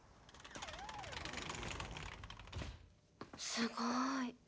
すごい。